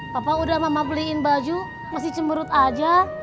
papa udah mama beliin baju masih cemberut aja